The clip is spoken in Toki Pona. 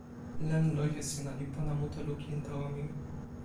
len loje sina li pona mute lukin tawa mi.